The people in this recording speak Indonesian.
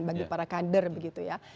bagi para kader begitu ya